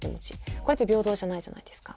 これって平等じゃないじゃないですか。